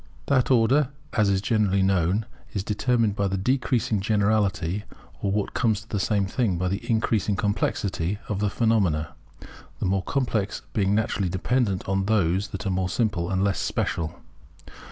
That order, as is generally known, is determined by the decreasing generality, or what comes to the same thing, by the increasing complexity of the phenomena; the more complex being naturally dependent upon those that are more simple and less special.